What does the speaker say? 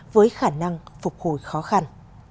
với khả năng phục hồi khó khăn